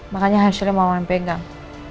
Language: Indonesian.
makanya hasilnya mau yang pegang